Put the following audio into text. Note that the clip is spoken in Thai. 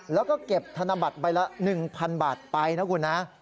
แล้วก็เก็บธนบัตรใบละ๑๐๐๐บาทไปนะคุณนะ